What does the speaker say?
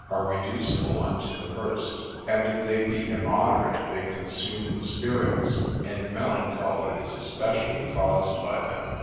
are reducible unto the first; and if they be immoderate, they consume the spirits, and melancholy is especially caused by them.